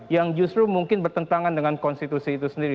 yang justru mungkin bertentangan dengan konstitusi itu sendiri